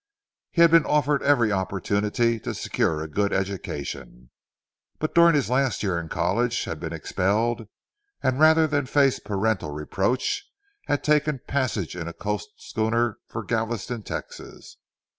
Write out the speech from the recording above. He had been offered every opportunity to secure a good education, but during his last year in college had been expelled, and rather than face parental reproach had taken passage in a coast schooner for Galveston, Texas.